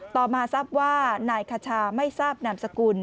ต่อมาทราบว่านายคชาไม่ทราบนามสกุล